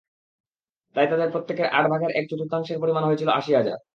তাই তাঁদের প্রত্যেকের আট ভাগের এক চতুর্থাংশের পরিমাণ হয়েছিল আশি হাজার।